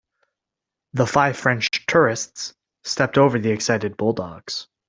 The five French tourists stepped over the excited bulldogs.